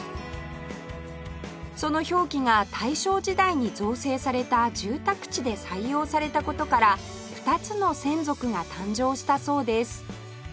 その表記が大正時代に造成された住宅地で採用された事から２つの「せんぞく」が誕生したそうです